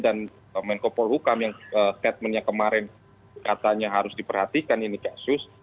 dan menko pol hukum yang statementnya kemarin katanya harus diperhatikan ini kasus